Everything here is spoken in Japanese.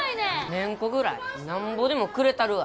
メンコぐらいなんぼでもくれたるわ。